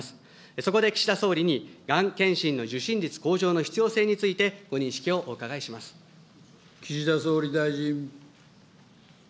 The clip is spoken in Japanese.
そこで岸田総理に、がん検診の受診率向上の必要性についてご認識岸田総理大臣。